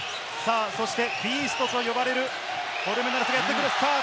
ビーストと呼ばれるコルメナレスがやってくる。